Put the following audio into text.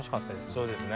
そうですね。